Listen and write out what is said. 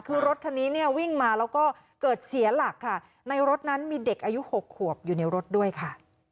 คือรถคันนี้เนี่ยวิ่งมาแล้วก็เกิดเสียหลักค่ะในรถนั้นมีเด็กอายุ๖ขวบอยู่ในรถด้วยค่ะ